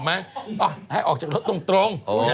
แบบให้ออกแบบลดตรง